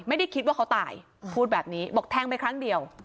ไม่ได้คิดว่าเขาตายพูดแบบนี้บอกแทงไปครั้งเดียว